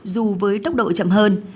dù với tốc độ chậm hơn